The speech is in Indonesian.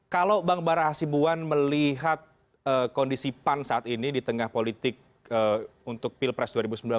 kalau bang bara hasibuan melihat kondisi pan saat ini di tengah politik untuk pilpres dua ribu sembilan belas